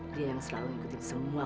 dia yang selalu ngikutin semua